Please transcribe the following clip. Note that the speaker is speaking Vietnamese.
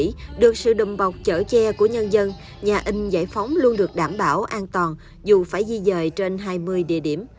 trước đùm bọc chở che của nhân dân nhà in giải phóng luôn được đảm bảo an toàn dù phải di dời trên hai mươi địa điểm